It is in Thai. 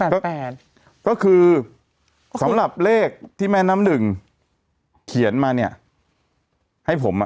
ก็คือสำหรับเลขที่แม่น้ำหนึ่งเขียนมาเนี่ยให้ผมอ่ะ